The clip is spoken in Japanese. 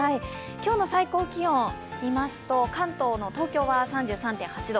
今日の最高気温見ますと、関東、東京は３３．８度。